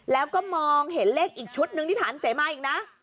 แล้วก็มองเห็นเลขอีกชุดนึงที่ฐานเสมาอีกนะ